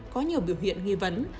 có nhiều biểu hiện nghi vấn